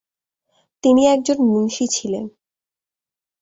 তিনি একজন মুনশী ছিলেন ।